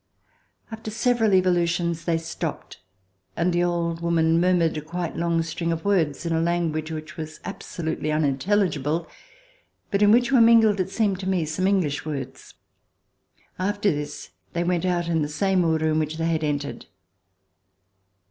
After several evolutions, they stopped, and the old woman mur mured quite a long string of words in a language which was absolutely unintelligible, but in which were mingled, it seemed to me, some English words. After this, they went out in the same order in which they had entered.